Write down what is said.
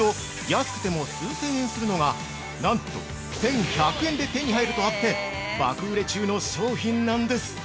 通常、安くても数千円するのがなんと１１００円で手に入るとあって爆売れ中の商品なんです。